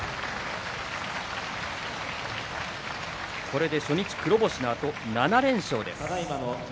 これで初日黒星のあと７連勝です。